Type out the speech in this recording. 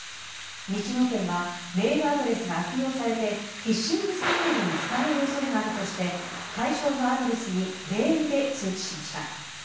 日能研はメールアドレスが悪用されてフィッシング詐欺などに使われる恐れがあるとして対象のアドレスにメールで通知しました。